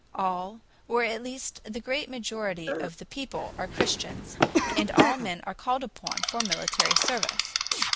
All or at least the great majority of the people are Christians, and all men are called upon for military service.